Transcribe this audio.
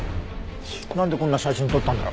なんでこんな写真撮ったんだろ？